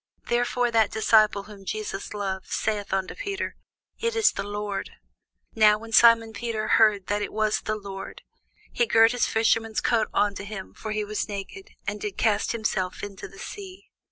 Therefore that disciple whom Jesus loved saith unto Peter, It is the Lord. Now when Simon Peter heard that it was the Lord, he girt his fisher's coat unto him, (for he was naked,) and did cast himself into the sea.